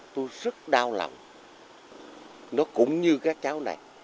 tôi rất đau lòng nó cũng như các cháu này